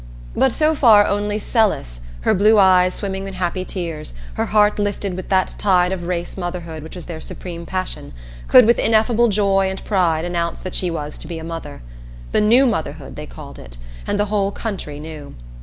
But so far only Celis, her blue eyes swimming in happy tears, her heart lifted with that tide of race motherhood which was their supreme passion, could with ineffable joy and pride announce that she was to be a mother. "The New Motherhood" they called it, and the whole country knew.